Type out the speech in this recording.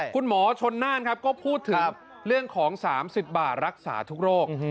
คุณหมอชนน่านครับก็พูดถึงเรื่องของ๓๐บาทรักษาทุกโรค